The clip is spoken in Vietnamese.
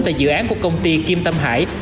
tại dự án của công ty kim tâm hải